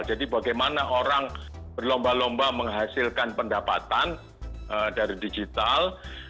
jadi bagaimana orang berlomba lomba menghasilkan pendapatan dari digital